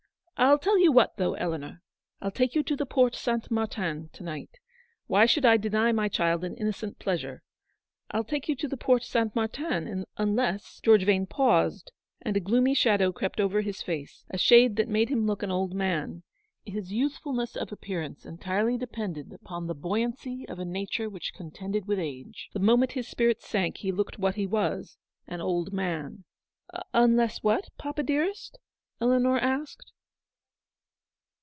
I'll tell you what, though, Eleanor, I'll take you to the Porte St. Martin to night — why should I deny my child an inno cent pleasure? — I'll take you to the Porte St. Martin, unless —" George Vane paused, and a gloomy shadow crept over his face — a shade that made him look an old man. His youthfulness of appearance 82 entirely depended upon the buoyancy of a nature which, contended with age. The moment his spirits sank he looked what he was — an old man. " Unless what, papa, dearest ?" Eleanor asked.